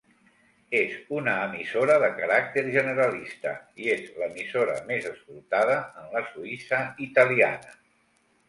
És una emissora de caràcter generalista, i és l'emissora més escoltada en la Suïssa italiana.